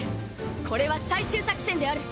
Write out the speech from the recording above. これは最終作戦である。